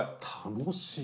楽しい。